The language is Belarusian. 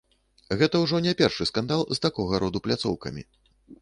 Гэта ўжо не першы скандал з такога роду пляцоўкамі.